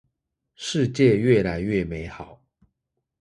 世界越來越美好